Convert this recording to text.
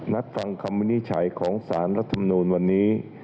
นัดฟังคำวินิจฉัยของสารรัฐมนูลวันนี้